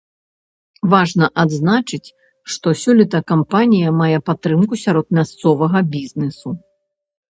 Важна адзначыць, што сёлета кампанія мае падтрымку сярод мясцовага бізнэсу.